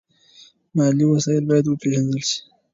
مالي وسایل باید وپیژندل شي.